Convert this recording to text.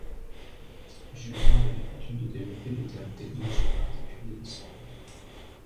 Jules Verne avait coutume de développer des thèmes technologiques particuliers dans ses romans.